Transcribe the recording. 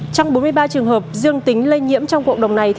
trong bốn mươi ba trường hợp dương tính lây nhiễm trong cộng đồng này